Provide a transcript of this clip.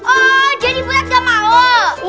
oh jadi buat gak mau